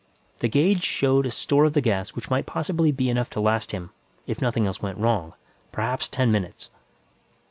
The gauge showed a store of the gas which might possibly be enough to last him, if nothing else went wrong; perhaps ten minutes.